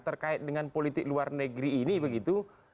terkait dengan politik luar negeri ini begitu